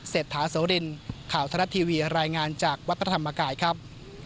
เศรษฐาโสรินข่าวทรัฐทีวีรายงานจากวัดพระธรรมกายครับ